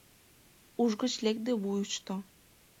Уш гыч лекде вуйышто